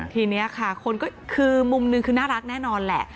ทีนี้ค่ะคนก็คือมุมหนึ่งคือน่ารักแน่นอนแหละ